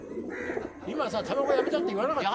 今さたばこやめたって言わなかった？